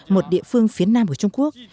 một địa phương phía nam của trung quốc